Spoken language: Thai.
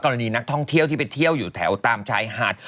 นักท่องเที่ยวที่ไปเที่ยวอยู่แถวตามชายหาด